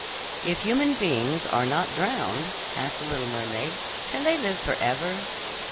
"If human beings are not drowned," asked the little mermaid, "can they live forever?